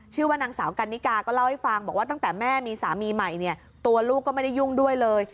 ชื่อว่านางสาวกันนิกาก็เล่าให้ฟังบอกว่าตั้งแต่แม่มีสามีใหม่เนี่ยตัวลูกก็ไม่ได้ยุ่งด้วยเลย